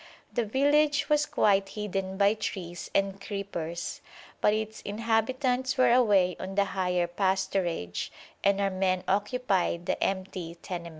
The village was quite hidden by trees and creepers, but its inhabitants were away on the higher pasturage, and our men occupied the empty tenements.